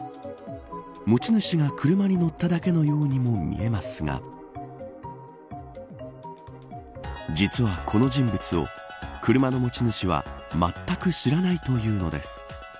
持ち主が車に乗っただけのようにも見えますが実はこの人物を車の持ち主はまったく知らないというのです。